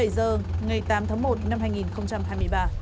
một mươi bảy h ngày tám tháng một năm hai nghìn hai